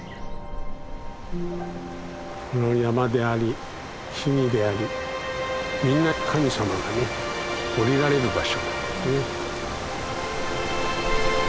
この山であり木々でありみんな神様がね降りられる場所なんだよね。